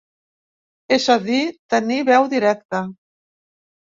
És a dir, tenir veu directa.